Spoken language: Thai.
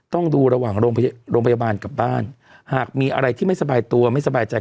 ต้องดูระหว่างโรงพยาบาลกับบ้านหากมีอะไรที่ไม่สบายตัวไม่สบายใจ